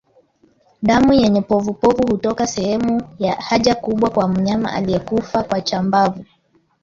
Damu yenye povupovu hutoka sehemu ya haja kubwa kwa mnyama aliyekufa kwa chambavu